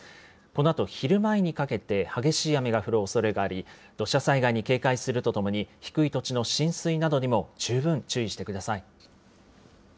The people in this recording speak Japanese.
このあと昼前にかけて、激しい雨が降るおそれがあり、土砂災害に警戒するとともに、低い土地の浸水などにも十分注意してください。